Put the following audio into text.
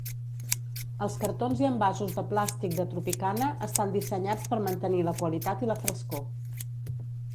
Els cartons i envasos de plàstic de Tropicana estan dissenyats per mantenir la qualitat i la frescor.